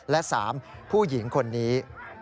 และ๓ผู้หญิงคนนี้